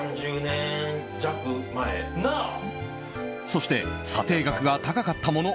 そして査定額が高かったもの